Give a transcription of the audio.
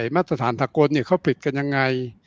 มาตรฐานสะกนเค้าผลิตกันยังไง